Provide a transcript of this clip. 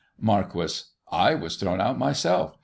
Marquis : I was thrown out myself.